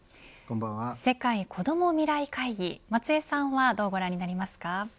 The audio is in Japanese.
世界こども未来会議松江さんはどうご覧になりますか。